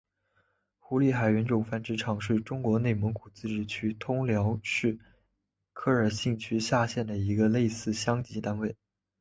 胡力海原种繁殖场是中国内蒙古自治区通辽市科尔沁区下辖的一个类似乡级单位。